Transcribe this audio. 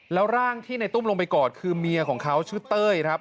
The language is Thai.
แล้วร่างที่ในตุ้มลงไปกอดคือเมียของเขาชื่อเต้ยครับ